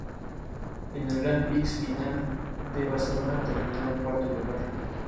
Durante su tiempo allí continuó actuando y escribió para varias publicaciones.